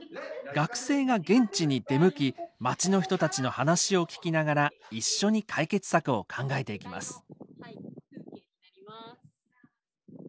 学生が現地に出向き町の人たちの話を聞きながら一緒に解決策を考えていきます。